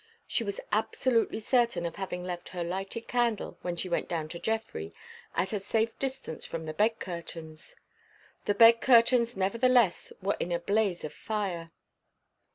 She was absolutely certain of having left her lighted candle, when she went down to Geoffrey, at a safe distance from the bed curtains. The bed curtains, nevertheless, were in a blaze of fire.